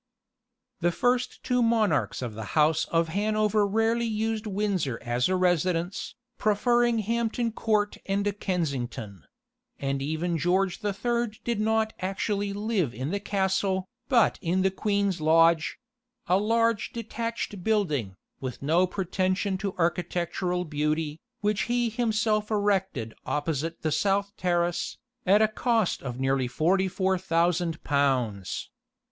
The first two monarchs of the house of Hanover rarely used Windsor as a residence, preferring Hampton Court and Kensington; and even George the Third did not actually live in the castle, but in the Queen's Lodge a large detached building, with no pretension to architectural beauty, which he himself erected opposite the south terrace, at a cost of nearly 44,000 pounds.